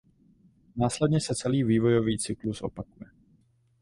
Následně se celý vývojový cyklus opakuje.